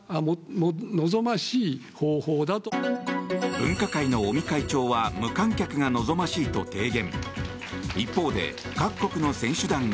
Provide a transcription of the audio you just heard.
分科会の尾身会長は無観客が望ましいと提言。